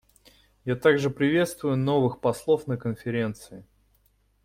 Я также приветствую новых послов на Конференции.